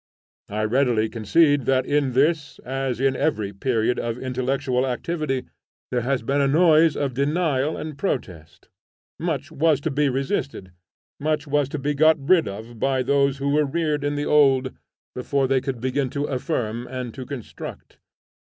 I readily concede that in this, as in every period of intellectual activity, there has been a noise of denial and protest; much was to be resisted, much was to be got rid of by those who were reared in the old, before they could begin to affirm and to construct.